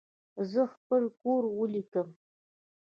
زه خپل کور ولیکم.